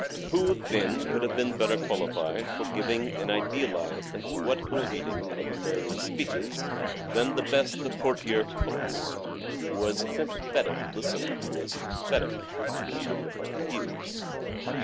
Who, then, could have been better qualified for giving an idealized and poetical rendering of Mary's speeches than " the best of the courtier poets," who was a sympathetic listener to her pathetic and dignified appeals